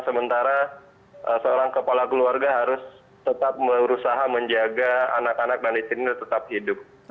sementara seorang kepala keluarga harus tetap berusaha menjaga anak anak dan istrinya tetap hidup